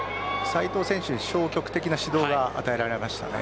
斉藤選手は消極的な指導が与えられました。